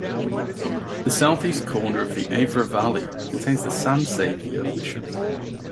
The southeast corner of the Avra Valley contains the San Xavier Mission.